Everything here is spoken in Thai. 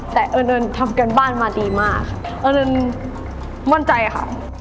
แต่เอิญเอิญทำการบ้านมาดีมากค่ะเอิญมั่นใจค่ะ